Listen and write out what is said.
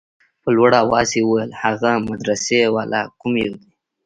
په لوړ اواز يې وويل هغه مدرسې والا کوم يو دى.